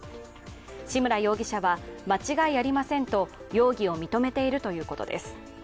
志村容疑者は、間違いありませんと容疑を認めているということです